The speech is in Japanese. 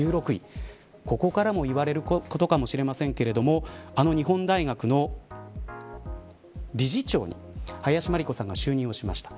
ここからも言われることかもしれませんがあの日本大学の理事長に林真理子さんが就任しました。